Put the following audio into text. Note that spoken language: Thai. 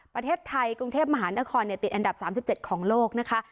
ประเทศไทยกรุงเทพมหานครเนี่ยติดอันดับสามสิบเจ็ดของโลกนะคะ